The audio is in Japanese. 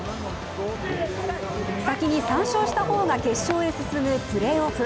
先に３勝した方が決勝へ進むプレーオフ。